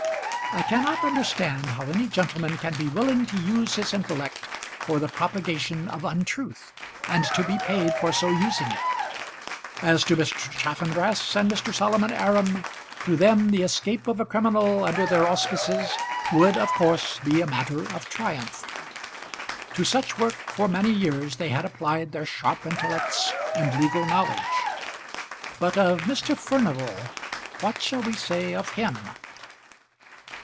I cannot understand how any gentleman can be willing to use his intellect for the propagation of untruth, and to be paid for so using it. As to Mr. Chaffanbrass and Mr. Solomon Aram, to them the escape of a criminal under their auspices would of course be a matter of triumph. To such work for many years had they applied their sharp intellects and legal knowledge. But of Mr. Furnival; what shall we say of him?